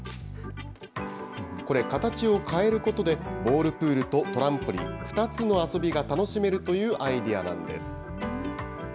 これ、形を変えることで、ボールプールとトランポリンの２つの遊びが楽しめるというアイデアなんです。